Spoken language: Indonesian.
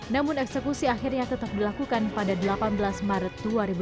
namun eksekusi akhirnya tetap dilakukan pada delapan belas maret dua ribu dua puluh